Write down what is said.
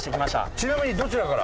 ちなみにどちらから？